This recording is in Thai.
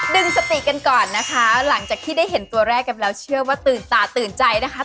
ดึงสติกันก่อนนะคะหลังจากที่ได้เห็นตัวแรกกันแล้วเชื่อว่าตื่นตาตื่นใจนะคะ